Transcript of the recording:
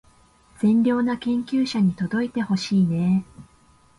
善良な研究者に届いてほしいねー